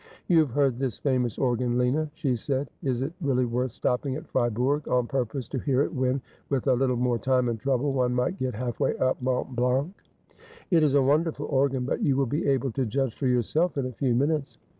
' You have heard this famous organ, Lina,' she said. ' Is it really worth stopping at Fribourg on purpose to hear it when, •with a little more time and trouble, one might get half way up Mont Blanc ?'' It is a wonderful organ ; but you will be able to judge for yourself in a few minutes.'